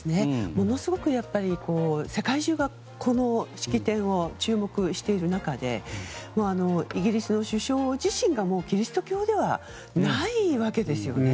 ものすごく世界中がこの式典を注目している中でイギリスの首相自身がキリスト教でないわけですよね。